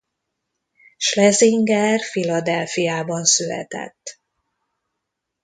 Schlesinger Philadelphiában született.